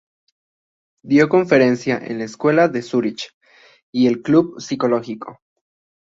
Dio conferencias en la "Escuela de Zúrich" y en el Club Psicológico.